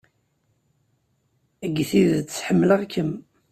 Deg tidet, ḥemmleɣ-kem.